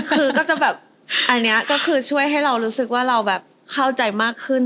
คือก็จะแบบอันนี้ก็คือช่วยให้เรารู้สึกว่าเราแบบเข้าใจมากขึ้น